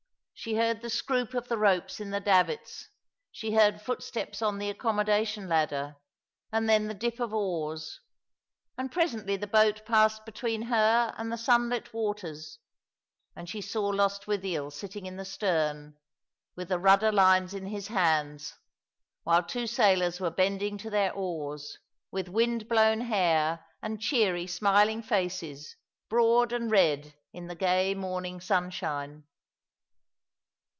She heard the scroop of the ropes in the davits ; she heard footsteps on the accommoda tion ladder, and then the dip of oars, and presently the boat passed between her and the sunlit waters, and she saw Lost withiel sitting in the stern, with the rudder lines in his hands, while two sailors were bending to their oars, with wind blown hair and cheery, smiling faces, broad and red in the gay morning sunshine.